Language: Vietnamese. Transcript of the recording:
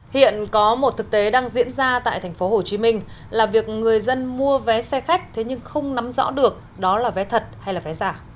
hiện có một thực tế đang diễn ra tại tp hcm là việc người dân mua vé xe khách thế nhưng không nắm rõ được đó là vé thật hay là vé giả